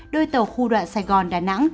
đôi tàu khu đoạn sài gòn đà nẵng